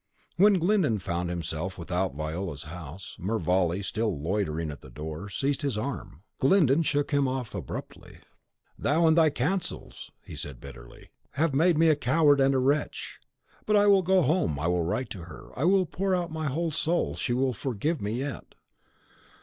When Glyndon found himself without Viola's house, Mervale, still loitering at the door, seized his arm. Glyndon shook him off abruptly. "Thou and thy counsels," said he, bitterly, "have made me a coward and a wretch. But I will go home, I will write to her. I will pour out my whole soul; she will forgive me yet."